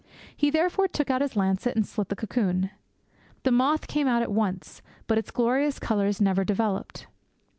He therefore took out his lancet and slit the cocoon. The moth came out at once; but its glorious colours never developed.